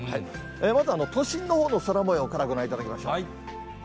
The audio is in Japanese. まずは、都心のほうの空もようからご覧いただきましょう。